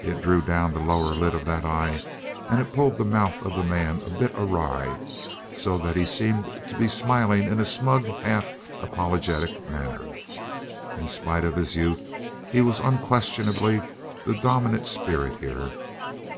It drew down the lower lid of that eye, and it pulled the mouth of the man a bit awry, so that he seemed to be smiling in a smug, half apologetic manner. In spite of his youth he was unquestionably the dominant spirit here.